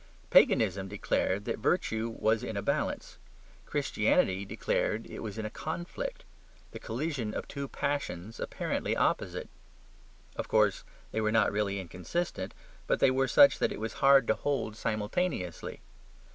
Paganism declared that virtue was in a balance; Christianity declared it was in a conflict: the collision of two passions apparently opposite. Of course they were not really inconsistent; but they were such that it was hard to hold simultaneously.